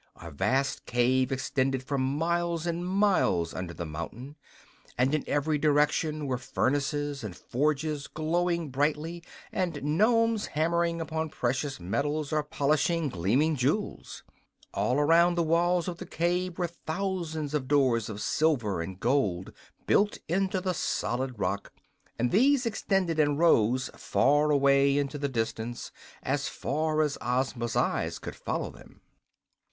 A vast cave extended for miles and miles under the mountain, and in every direction were furnaces and forges glowing brightly and Nomes hammering upon precious metals or polishing gleaming jewels. All around the walls of the cave were thousands of doors of silver and gold, built into the solid rock, and these extended in rows far away into the distance, as far as Ozma's eyes could follow them.